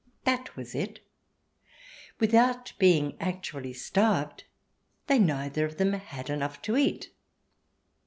That was it. Without being actually starved, they neither of them had enough to eat.